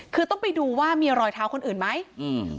คือต้องไปดูว่ามีรอยเท้าคนอื่นไหมอืม